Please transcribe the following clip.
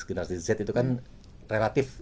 generasi z itu kan relatif